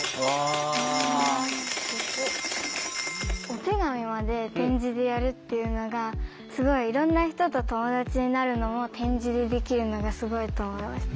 お手紙まで点字でやるっていうのがすごいいろんな人と友達になるのも点字でできるのがすごいと思いました。